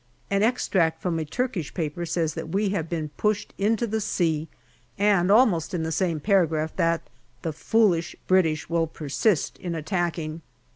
An extract from a Turkish paper says that we have been pushed into the sea, and almost in the same paragraph that " the foolish British will persist in attacking."